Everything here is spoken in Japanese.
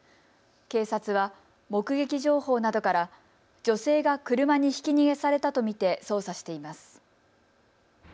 警察は、目撃情報などから女性が車にひき逃げされたと見て捜査しています。